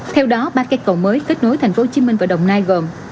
theo đó ba cây cầu mới kết nối tp hcm và đồng nai gồm